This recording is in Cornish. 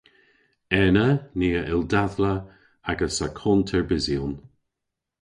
Ena ni a yll dadhla agas akont erbysyon.